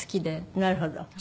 なるほど。